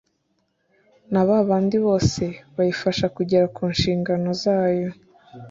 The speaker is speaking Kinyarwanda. n abandi bose bayifasha kugera ku nshingano zayo